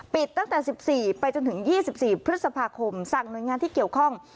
ตั้งแต่๑๔ไปจนถึง๒๔พฤษภาคมสั่งหน่วยงานที่เกี่ยวข้อง